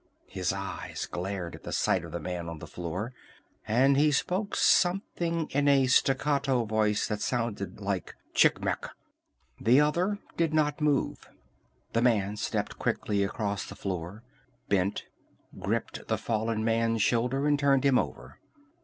His eyes glared at the sight of the man on the floor, and he spoke something in a staccato voice that sounded like "Chicmec!" The other did not move. The man stepped quickly across the floor, bent, gripped the fallen man's shoulder and turned him over.